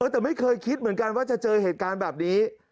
แต่ไม่เคยคิดเหมือนกันว่าจะเจอเหตุการณ์แบบนี้